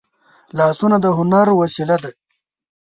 لاسونه د هنر وسیله ده